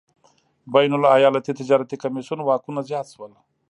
بین الایالتي تجارتي کمېسیون واکونه زیات شول.